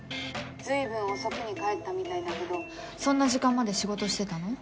随分遅くに帰ったみたいだけどそんな時間まで仕事してたの？